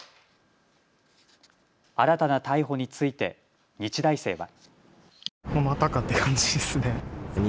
新たな逮捕について日大生は。